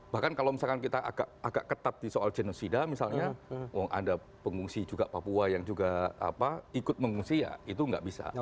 misalnya misalnya kita agak ketat di soal genosida misalnya ada pengungsi juga papua yang ikut mengungsi ya itu tidak bisa